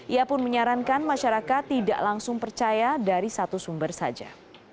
ia pun menyarankan masyarakat tidak langsung percaya dari satu sumber saja